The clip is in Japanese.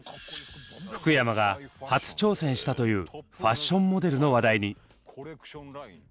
福山が初挑戦したというファッションモデルの話題に。